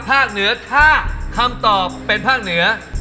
ภาคเหนือ๕คำตอบเป็นภาคเหนือ